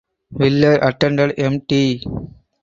Willer attended Mt.